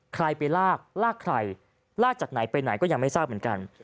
ใครไปลากลากใครลากจากไหนไปไหนก็ยังไม่ทราบเหมือนกัน